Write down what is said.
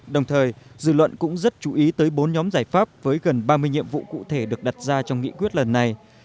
đồng thời dư luận cũng rất chú ý tới bốn nhóm giải pháp với gần ba mươi nhiệm vụ cụ thể được đặt ra trong nghị quyết lần này